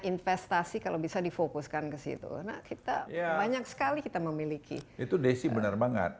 investasi kalau bisa difokuskan ke situ nah kita banyak sekali kita memiliki itu desi benar banget